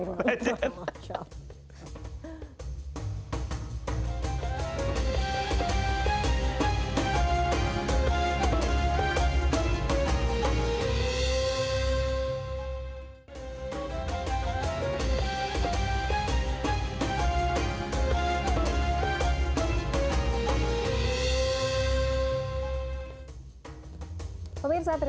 kita lanjutkan lagi